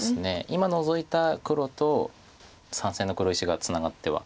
今ノゾいた黒と３線の黒石がツナがっては。